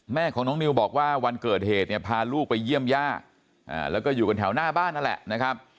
แม่ของน้องนิวบอกว่าวันเกิดเหตุเนี่ยพาลูกไปเยี่ยมย่าแล้วก็อยู่กันแถวหน้าบ้านนั่นแหละนะครับ